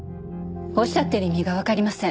おっしゃっている意味がわかりません。